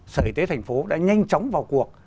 sở y tế thành phố đã nhanh chóng vào cuộc